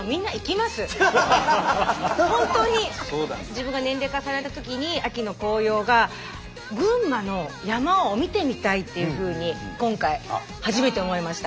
自分が年齢重ねたときに秋の紅葉が群馬の山を見てみたいっていうふうに今回初めて思いました。